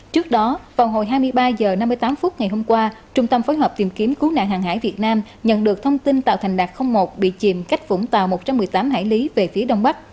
trước đó vào hồi hai mươi ba h năm mươi tám phút ngày hôm qua trung tâm phối hợp tìm kiếm cứu nạn hàng hải việt nam nhận được thông tin tàu thành đạt một bị chìm cách vũng tàu một trăm một mươi tám hải lý về phía đông bắc